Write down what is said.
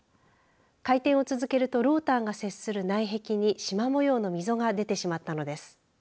回転を続けるとローターが接する内壁にしま模様の溝が出てしまったのです。